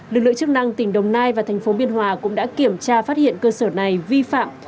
lực lượng chức năng tỉnh đồng nai và thành phố biên hòa cũng đã kiểm tra phát hiện cơ sở này vi phạm